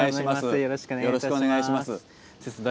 よろしくお願いします。